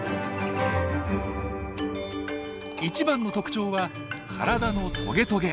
一番の特徴は体のトゲトゲ。